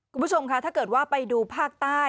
คุณผู้ชมค่ะถ้าเกิดว่าไปดูภาคใต้